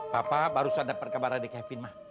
papa baru saja dapat kabar dari kevin